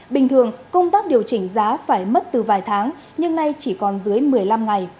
bình thường công tác điều chỉnh giá phải mất từ vài tháng nhưng nay chỉ còn dưới một mươi năm ngày